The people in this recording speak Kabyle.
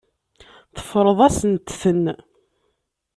Teffreḍ-asent-ten.